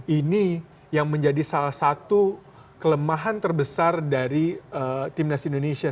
ini yang menjadi salah satu kelemahan terbesar dari timnas indonesia